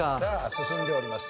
進んでおります。